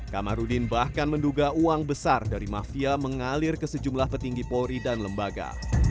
kamarudin bahkan menduga uang besar dari mafia mengalir ke sejumlah petinggi polri dan lembaga